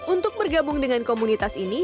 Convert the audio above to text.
untuk bergabung dengan komunitas ini